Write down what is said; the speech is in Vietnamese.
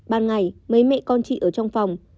ban ngày mấy mẹ con chị ở trong phòng